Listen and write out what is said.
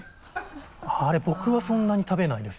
あれ僕はそんなに食べないです。